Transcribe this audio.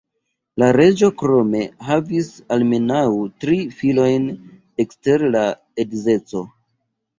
La reĝo krome havis almenaŭ tri filojn ekster la edzeco.